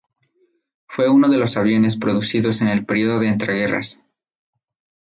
Fue uno de los aviones producidos en el período de entreguerras.